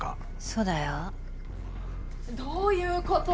そうだよ。どういうこと？